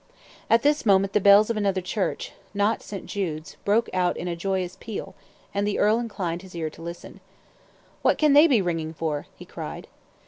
At this moment the bells of another church, not St. Jude's, broke out in a joyous peal, and the earl inclined his ear to listen. "What can they be ringing for?" he cried.